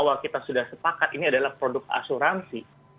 bahwa kita sudah sepakat ini adalah produk asuransi